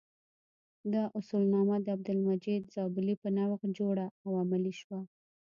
دا اصولنامه د عبدالمجید زابلي په نوښت جوړه او عملي شوه.